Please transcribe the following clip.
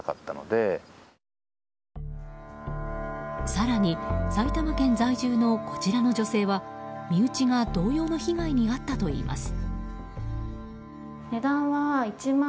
更に、埼玉県在住のこちらの女性は身内が同様の被害に遭ったといいます。